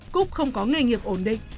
cúc không có nghề nghiệp ổn định